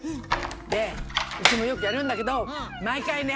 でうちもよくやるんだけどまいかいね